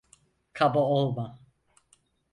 Kaba olma.